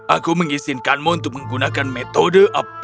aku mengizinkanmu untuk menggunakan metode apapun